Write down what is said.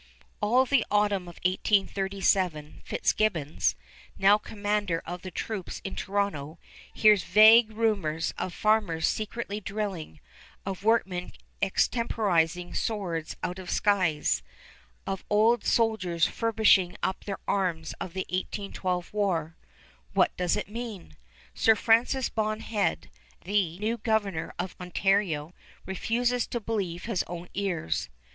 [Illustration: WILLIAM LYON MACKENZIE] All the autumn of 1837 Fitzgibbons, now commander of the troops in Toronto, hears vague rumors of farmers secretly drilling, of workmen extemporizing swords out of scythes, of old soldiers furbishing up their arms of the 1812 War. What does it mean? Sir Francis Bond Head, the new governor of Ontario, refuses to believe his own ears.